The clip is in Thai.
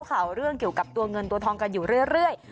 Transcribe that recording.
ข่าวเรื่องเกี่ยวกับตัวเงินตัวทองกันอยู่เรื่อย